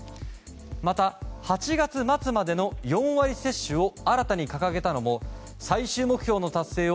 また、８月末までの４割接種を新たに掲げたのも最終目標の達成を